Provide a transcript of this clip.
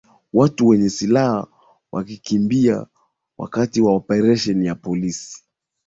watu wenye silaha wakikimbia wakati wa operesheni ya polisi